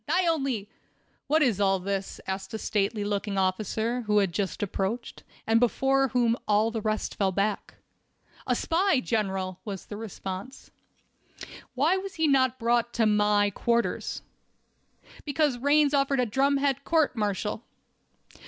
"I only—" "What is all this?" asked a stately looking officer, who had just approached, and before whom all the rest fell back. "A spy, General," was the response. "Why was he not brought to my quarters?" "Because Raines ordered a drumhead court martial."